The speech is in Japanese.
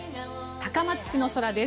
高松市の空です。